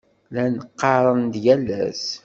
Llan ɣɣaren-d yal ass.